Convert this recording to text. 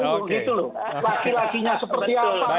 laki lakinya seperti apa